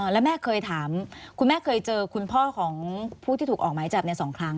แล้วแม่เคยถามคุณแม่เคยเจอคุณพ่อของผู้ที่ถูกออกหมายจับใน๒ครั้ง